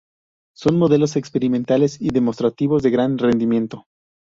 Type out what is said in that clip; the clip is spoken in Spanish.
Son modelos experimentales y demostrativos de gran rendimiento.